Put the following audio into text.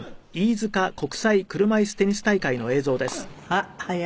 あっ速い！